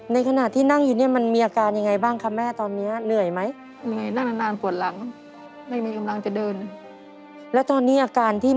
ในขณะที่นั่งอยู่นี่มันมีอาการอย่างไรบ้างคะแม่ตอนนี้